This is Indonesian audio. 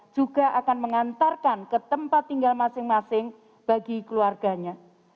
juga akan mengantarkan ke tempat tinggal masing masing bagi keluarganya